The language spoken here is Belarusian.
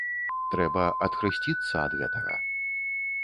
Трэба адхрысціцца ад гэтага.